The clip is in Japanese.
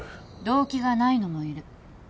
動機がないのもいる。